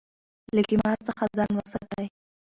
له قمار څخه ځان وساتئ.